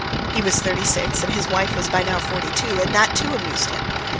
He was thirty six and his wife was by now forty two, and that, too, amused him.